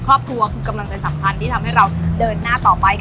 ครอบครัวคือกำลังใจสำคัญที่ทำให้เราเดินหน้าต่อไปค่ะ